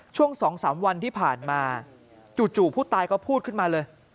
ช่วง๒๓วันที่ผ่านมาจู่ผู้ตายก็พูดขึ้นมาเลย